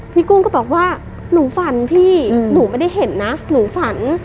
กุ้งก็บอกว่าหนูฝันพี่หนูไม่ได้เห็นนะหนูฝัน